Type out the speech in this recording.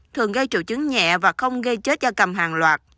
thường gây triệu chứng nhẹ và không gây chết da cầm hàng loạt